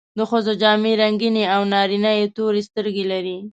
د ښځو جامې رنګینې او نارینه یې تورې سترګې لري.